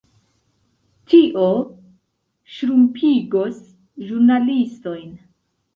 Tio ŝrumpigos ĵurnalistojn.